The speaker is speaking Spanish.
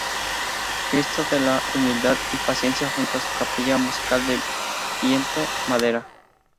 Cristo de la Humildad y Paciencia junto a una Capilla Musical del viento-madera.